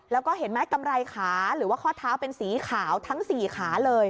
แล้วก็เห็นไหมกำไรขาหรือว่าข้อเท้าเป็นสีขาวทั้ง๔ขาเลย